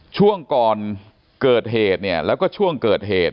ช่วงก่อนเกิดเหตุเนี่ยแล้วก็ช่วงเกิดเหตุ